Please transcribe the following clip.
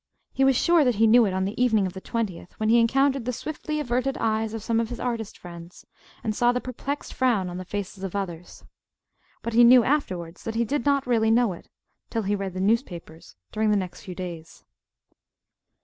He was sure that he knew it on the evening of the twentieth when he encountered the swiftly averted eyes of some of his artist friends, and saw the perplexed frown on the faces of others. But he knew, afterwards, that he did not really know it till he read the newspapers during the next few days.